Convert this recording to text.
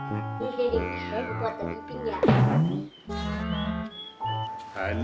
ini jadi kita buatkan pinjaman